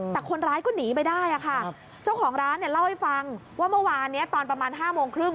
แต่คนร้ายก็หนีไปได้ค่ะเจ้าของร้านเนี่ยเล่าให้ฟังว่าเมื่อวานนี้ตอนประมาณ๕โมงครึ่ง